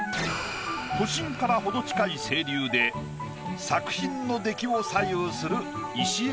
都心から程近い清流で作品の出来を左右する。